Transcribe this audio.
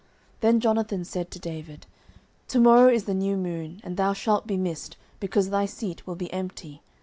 09:020:018 Then Jonathan said to David, To morrow is the new moon: and thou shalt be missed, because thy seat will be empty.